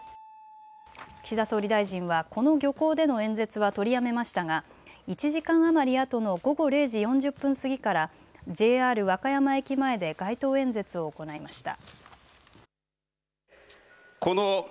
岸田総理大臣はこの漁港での演説は取りやめましたが１時間余りあとの午後０時４０分過ぎからＪＲ和歌山駅前で街頭演説を行いました。